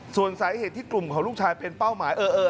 ส่วนสาเหตุที่กลุ่มของลูกชายเป็นเป้าหมาย